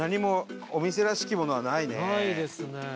ないですね。